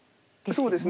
そうですね。